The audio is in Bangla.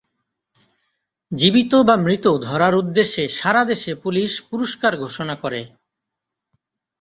জীবিত বা মৃত ধরার উদ্দেশ্যে সারা দেশে পুলিশ পুরস্কার ঘোষণা করে।